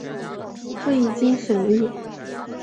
会议经审议